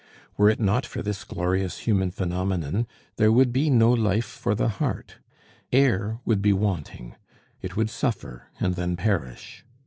Were it not for this glorious human phenomenon, there would be no life for the heart; air would be wanting; it would suffer, and then perish.